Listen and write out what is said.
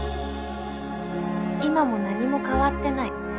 今も何も変わってない。